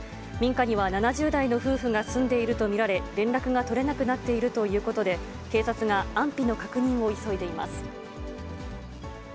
民家には７０代の夫婦が住んでいると見られ、連絡が取れなくなっているということで、警察が安否の確認を急いでいます。